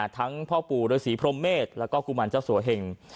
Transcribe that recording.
ทั้งพ่อปู่ฤษีพรหมเมษแล้วก็กุมารเจ้าสัวเหง